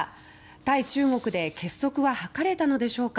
対中国で結束は図れたのでしょうか。